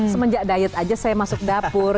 semenjak diet aja saya masuk dapur